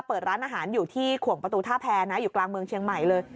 เปิดร้านอาหารอยู่ที่ขวงประตูท่าแพรนะอยู่กลางเมืองเชียงใหม่เลย